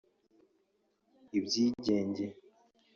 ibyigenge